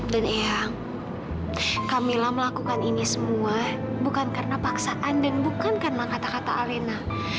dan iya kamilah melakukan ini semua bukan karena paksaan dan bukan karena kata kata alena